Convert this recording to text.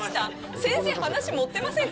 先生、話盛ってませんか？